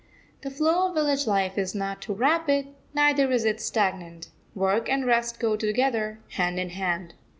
The flow of village life is not too rapid, neither is it stagnant. Work and rest go together, hand in hand.